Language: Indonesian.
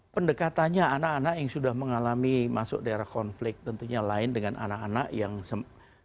pendekatannya anak anak yang sudah mengalami masuk daerah konflik tentunya lain dengan anak anak yang sekedar apa namanya dia